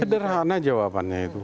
sederhana jawabannya itu